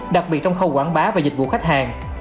đặc biệt trong khâu quảng bá và dịch vụ khách hàng